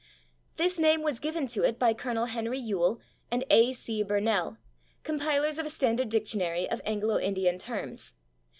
This name was given to it by Col. Henry Yule and A. C. Burnell, compilers of a standard dictionary of Anglo Indian terms.